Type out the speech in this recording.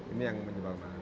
ini yang menyebabkan